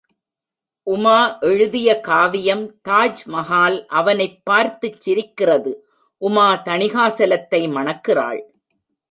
உமா எழுதிய காவியம் தாஜ்மகால் அவனைப் பார்த்துச் சிரிக்கிறது உமா தணிகாசலத்தை மணக்கிறாள்!